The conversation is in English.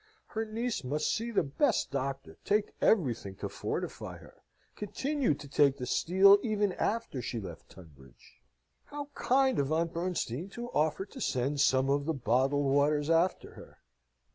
Her niece must see the best doctor, take everything to fortify her, continue to take the steel, even after she left Tunbridge. How kind of Aunt Bernstein to offer to send some of the bottled waters after her!